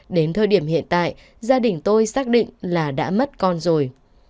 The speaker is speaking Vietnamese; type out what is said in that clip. đến thời điểm hiện tại gia đình tôi xác định là đã mất con rồi